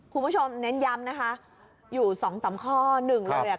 เน้นย้ำนะคะอยู่สองสามข้อหนึ่งเลยอ่ะ